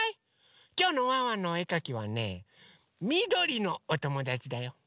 きょうのワンワンのおえかきはねみどりのおともだちだよ。